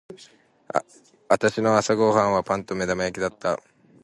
私の朝ご飯はパンと目玉焼きだった。